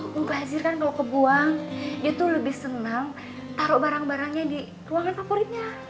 mumpah hajir kan kalau kebuang dia lebih senang taruh barang barangnya di ruangan favoritnya